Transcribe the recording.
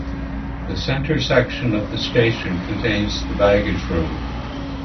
The center section of the station contains the baggage room.